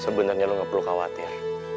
sebenernya lo gak perlu khawatir